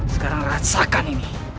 sekarang rasakan ini